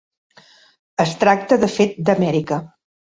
Es tracta de fet d'Amèrica.